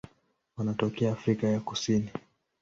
Wanatokea Afrika ya Kusini.